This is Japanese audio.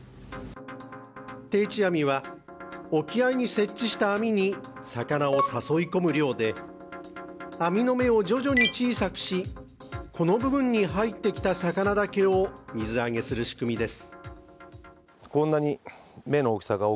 定置網は沖合に設置した網に魚を誘い込む漁で網の目を徐々に小さくし、この部分に入ってきた魚だけを水揚げする仕組みです。